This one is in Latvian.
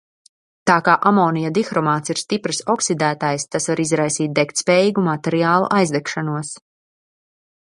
Tā kā amonija dihromāts ir stiprs oksidētājs, tas var izraisīt degtspējīgu materiālu aizdegšanos.